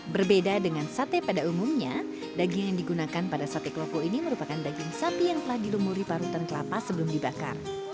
berbeda dengan sate pada umumnya daging yang digunakan pada sate klopo ini merupakan daging sapi yang telah dilumuri parutan kelapa sebelum dibakar